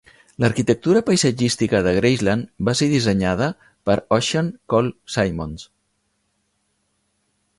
L'arquitectura paisatgística de Graceland va ser dissenyada per Ossian Cole Simonds.